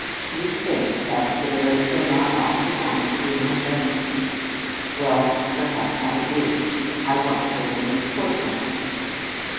"You think that's the very thing I ought to want to be my destiny? Well, perhaps I do. I want children of course, I want them."